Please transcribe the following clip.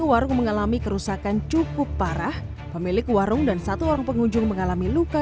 warung mengalami kerusakan cukup parah pemilik warung dan satu orang pengunjung mengalami luka